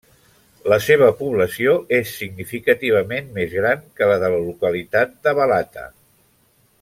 La seva població és significativament més gran que la de la localitat de Balata.